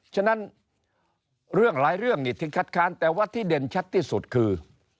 ฉะนั้นเรื่องหลายเรื่องนี่ที่คัดค้านแต่ว่าที่เด่นชัดที่สุดคือ